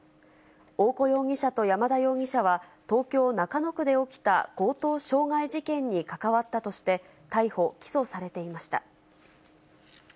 大古容疑者と山田容疑者は、東京・中野区で起きた強盗傷害事件に関わったとして、逮捕・起訴されていました。